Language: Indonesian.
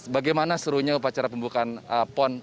bagaimana serunya upacara pembukaan pon